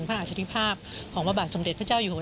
อาชีภาพของพระบาทสมเด็จพระเจ้าอยู่หัว